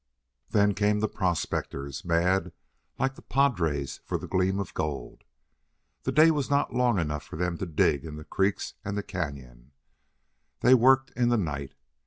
"Then came the prospectors, mad, like the padres for the gleam of gold. The day was not long enough for them to dig in the creeks and the cañon; they worked in the night.